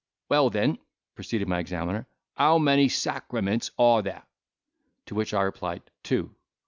"Well then," proceeded my examiner, "how many sacraments are there?" To which I replied, "Two."